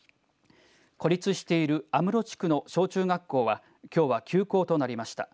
孤立している阿室地区の小中学校はきょうは休校となりました。